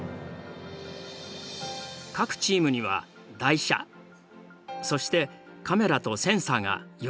各チームには台車そしてカメラとセンサーが４つずつ配られた。